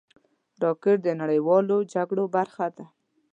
راکټ د نړیوالو جګړو برخه ده